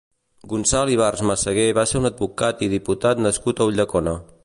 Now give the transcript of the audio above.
Gonçal Ibars Meseguer va ser un advocat i diputat nascut a Ulldecona.